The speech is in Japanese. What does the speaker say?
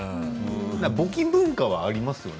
募金文化はありますよね。